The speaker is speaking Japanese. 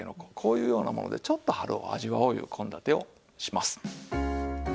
こういうようなものでちょっと春を味わおういう献立をします。